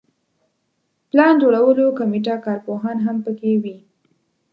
پلان جوړولو کمیټه کارپوهان هم په کې وي.